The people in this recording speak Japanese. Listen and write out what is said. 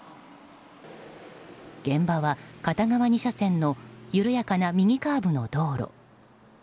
現場は片側２車線の緩やかな右カーブの道路。